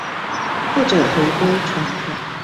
或者回歸傳統